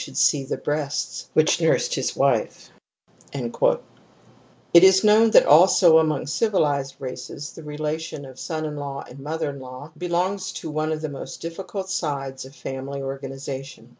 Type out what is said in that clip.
should see the breasts which nursed his wife "^ It is known that also among civilized races the relation of son in law and mother in law belongs to one of the most difficult sides of family organization.